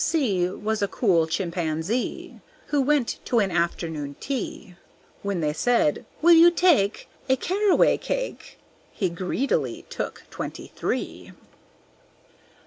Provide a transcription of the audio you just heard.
C was a cool Chimpanzee, Who went to an afternoon tea. When they said, "Will you take A caraway cake?" He greedily took twenty three!